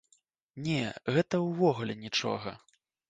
Не, гэта ўвогуле нічога.